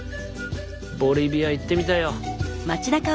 ボリビア行ってみたいよ。